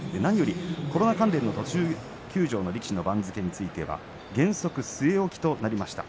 コロナ関連の途中休場の力士の番付については原則、据え置きとなりました。